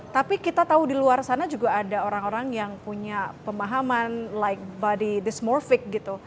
tapi kita tahu di luar sana juga ada orang orang yang punya pemahaman like body this morffic gitu